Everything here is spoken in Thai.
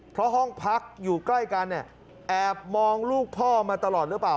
เพราะห้องพักอยู่ใกล้กันเนี่ยแอบมองลูกพ่อมาตลอดหรือเปล่า